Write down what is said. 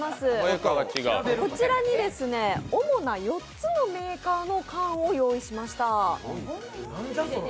こちらに主な４つのメーカーの缶を用意しました。